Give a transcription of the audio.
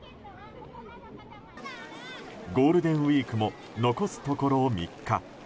ゴールデンウィークも残すところ３日。